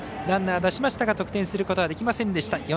ランナー出しましたが得点することはできませんでした。